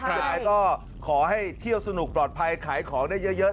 ยังไงก็ขอให้เที่ยวสนุกปลอดภัยขายของได้เยอะ